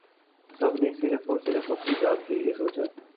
سب نے صرف اور صرف اپنی ذات کے لیئے سوچا